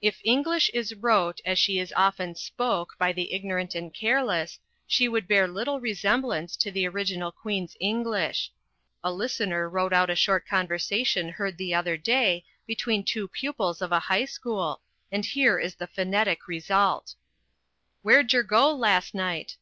If English is "wrote" as she is often "spoke" by the ignorant and careless, she would bear little resemblance to the original Queen's English. A listener wrote out a short conversation heard the other day between two pupils of a high school, and here is the phonetic result: "Warejergo lasnight?"